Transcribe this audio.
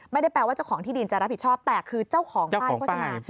ไม่ได้แปลว่าเจ้าของที่ดินจะรับผิดชอบแต่คือเจ้าของป้ายโฆษณา